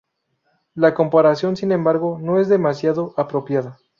La comparación sin embargo no es demasiado apropiada.